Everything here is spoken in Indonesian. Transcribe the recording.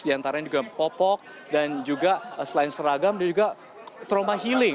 di antaranya juga popok dan juga selain seragam dan juga trauma healing